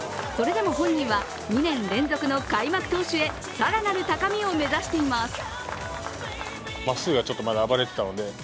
それでも本人は２年連続の開幕投手へ更なる高みを目指しています。